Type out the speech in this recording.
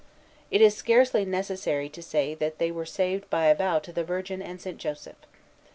It is scarcely necessary to say that they were saved by a vow to the Virgin and St. Joseph.